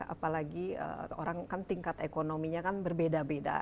apalagi orang kan tingkat ekonominya kan berbeda beda